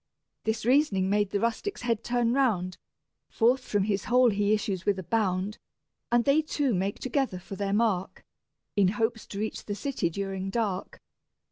This reasoning made the rustic's head turn round; Forth from his hole he issues with a bound, And they two make together for their mark, In hopes to reach the city during dark.